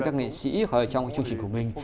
các nghệ sĩ trong chương trình của mình